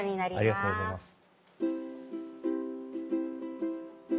ありがとうございます。